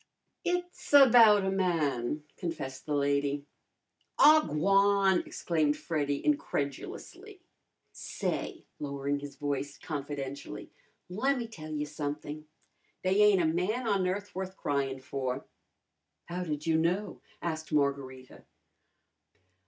"It's about a man," confessed the lady. "Aw, g'wan!" exclaimed Freddy incredulously. "Say," lowering his voice confidentially, "lemme tell you something! They ain't a man on earth worth crying for." "How did you know?" asked Margarita.